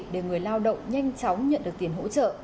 để người lao động nhanh chóng nhận được tiền hỗ trợ